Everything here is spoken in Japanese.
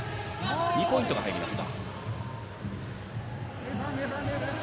２ポイントが入りました。